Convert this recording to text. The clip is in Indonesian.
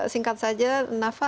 singkat saja nafa